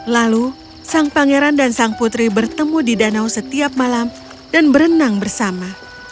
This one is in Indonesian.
lalu sang pangeran dan sang putri bertemu di danau setiap malam dan berenang bersama